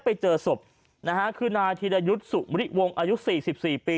ไปเจอศพนะฮะคือนายธีรยุทธ์สุมริวงศ์อายุ๔๔ปี